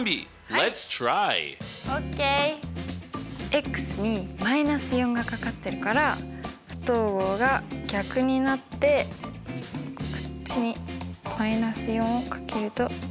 Ｌｅｔ’ｓｔｒｙ！ＯＫ！に−４がかかってるから不等号が逆になってこっちに−４を掛けると。